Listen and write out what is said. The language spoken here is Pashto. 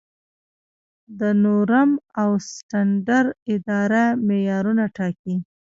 د نورم او سټنډرډ اداره معیارونه ټاکي؟